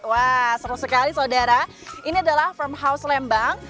wah seru sekali sodara ini adalah farmhouse lembang